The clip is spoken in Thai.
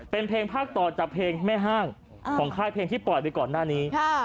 เป็นเพลงภาคต่อจากเพลงแม่ห้างของค่ายเพลงที่ปล่อยไปก่อนหน้านี้